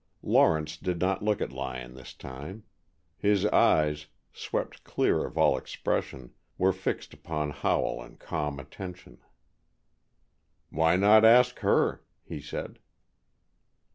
Lawrence did not look at Lyon this time. His eyes, swept clear of all expression, were fixed upon Howell in calm attention. "Why not ask her?" he said.